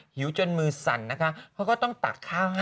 หิวจนมือสั่นนะคะเขาก็ต้องตักข้าวให้